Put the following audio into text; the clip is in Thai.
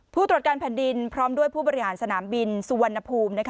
ผู้ตรวจการแผ่นดินพร้อมด้วยผู้บริหารสนามบินสุวรรณภูมิ